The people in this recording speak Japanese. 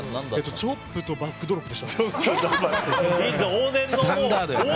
チョップとバックドロップでしたね。